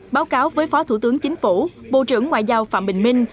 báo cáo với phó thủ tướng chính phủ bộ trưởng ngoại giao phạm bình minh